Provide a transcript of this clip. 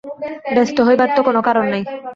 ব্যস্ত হইবার তো কোনো কারণ নাই।